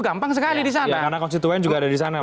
gampang sekali disana karena konstituen juga ada disana lah